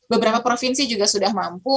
beberapa provinsi juga sudah mampu